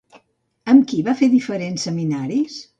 Amb qui va fer diferents seminaris?